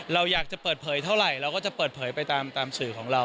เราอยากจะเปิดเผยเท่าไหร่เราก็จะเปิดเผยไปตามสื่อของเรา